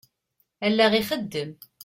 Allaɣ ixeddem.